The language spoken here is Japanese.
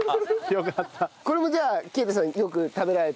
これもじゃあ啓太さんよく食べられて。